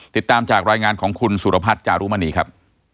ติดตามจากรายงานของคุณสุรพัฒน์จารุมณีครับ